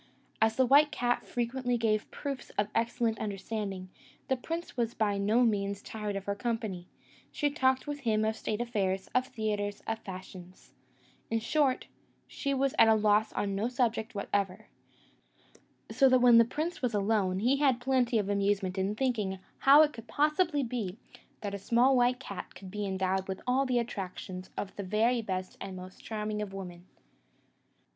As the white cat frequently gave proofs of an excellent understanding, the prince was by no means tired of her company; she talked with him of state affairs, of theatres, of fashions: in short, she was at a loss on no subject whatever; so that when the prince was alone, he had plenty of amusement in thinking how it could possibly be, that a small white cat could be endowed with all the attractions of the very best and most charming of women.